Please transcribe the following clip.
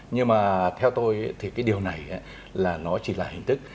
nhưng mà theo tôi thì cái điều này là nó chỉ là hình thức